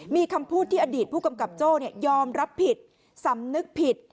มีคำพูดที่อดีตผู้กำกับโจ้ยอมรับผิดสำนึกผิด